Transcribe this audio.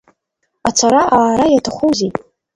Ацара-аара иаҭахузеи.